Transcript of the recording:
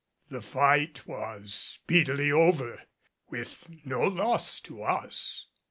The fight was speedily over, with no loss to us.